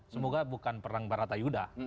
semoga bukan perang baratayuda